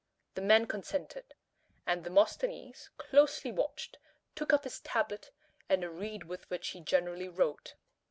The men consented; and Demosthenes, closely watched, took up his tablet and the reed with which he generally wrote.